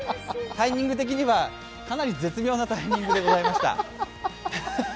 タイミング的にはかなり絶妙なタイミングでございました。